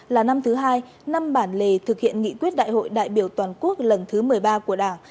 là năm thứ hai năm bản lề thực hiện nghị quyết đại hội đại biểu toàn quốc lần thứ một mươi ba của đảng